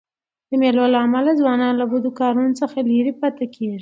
د مېلو له امله ځوانان له بدو کارو څخه ليري پاته کېږي.